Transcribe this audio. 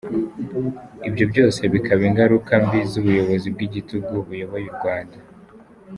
Ibyo byose bikaba ingaruka mbi z’ubuyobozi bw’igitugu buyoboye u Rwanda.